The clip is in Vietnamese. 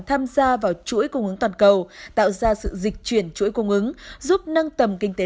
tham gia vào chuỗi cung ứng toàn cầu tạo ra sự dịch chuyển chuỗi cung ứng giúp nâng tầm kinh tế